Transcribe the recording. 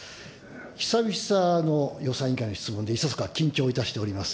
久々の予算委員会の質問でいささか緊張いたしております。